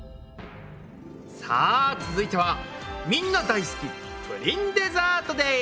さあ続いてはみんな大好きプリンデザートです！